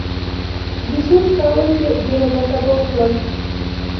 ده سوچ کاوه چې ډېره گټه به وکړم.